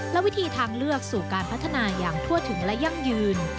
และวิธีทางเลือกสู่การพัฒนาอย่างทั่วถึงและยั่งยืน